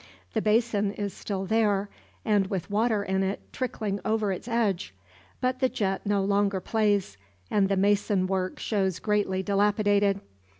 The basin is still there, and with water in it, trickling over its edge. But the jet no longer plays, and the mason work shows greatly dilapidated.